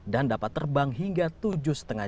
dan dapat terbang hingga tiga km